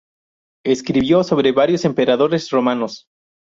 Escribió sobre varios emperadores romanos.